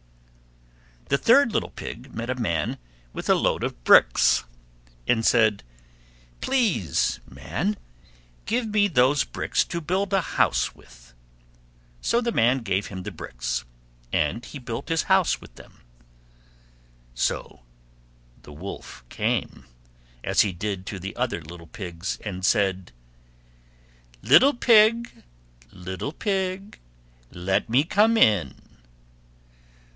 The third little Pig met a Man with a load of bricks, and said, "Please, Man, give me those bricks to build a house with"; so the Man gave him the bricks, and he built his house with them. So the Wolf came, as he did to the other little Pigs, and said, "Little Pig, little Pig, let me come in."